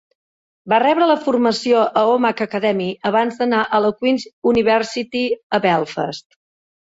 Va rebre la formació a Omagh Academy, abans d'anar a la Queen's University, a Belfast.